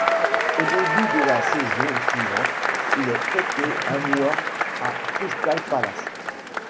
Au début de la saison suivante, il est prêté un mois à Crystal Palace.